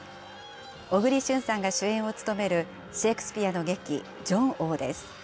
小栗旬さんが主演を務めるシェークスピアの劇、ジョン王です。